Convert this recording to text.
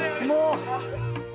もう。